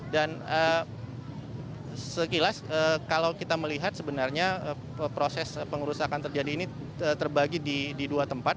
dan sekilas kalau kita melihat sebenarnya proses penggerusakan terjadi ini terbagi di dua tempat